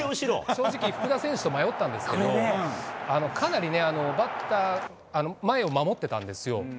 正直、福田選手と迷ったんですけれども、かなりバッター、前を守ってたんですよ。